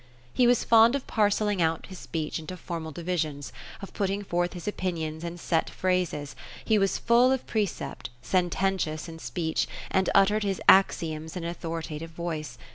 ile was fond of parcelling out his speech into formal divisions; of putting forth his opinions in set phrases; he was full of precept ; sen tentious in speech ; and uttered bis axioms in an authoritative voice.